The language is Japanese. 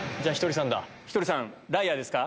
ひとりさんライアーですか？